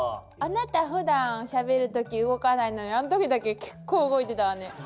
あなたふだんしゃべる時動かないのにあの時だけ結構動いてたわね。